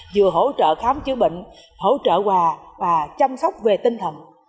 vừa hỗ trợ khám chữa bệnh hỗ trợ quà và chăm sóc về tinh thần